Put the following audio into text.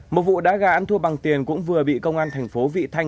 một vụ đá gà ăn thua bằng tiền cũng vừa bị công an thành phố vị thanh